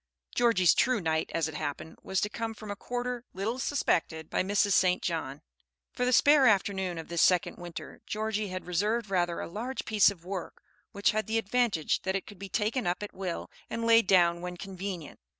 Georgie's true knight, as it happened, was to come from a quarter little suspected by Mrs. St. John. For the spare afternoons of this second winter Georgie had reserved rather a large piece of work, which had the advantage that it could be taken up at will and laid down when convenient.